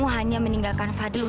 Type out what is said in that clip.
saya ini sama fadil